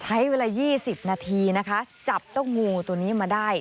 ใช้เวลา๒๐นาทีนะคะจับเจ้างูตัวนี้มาได้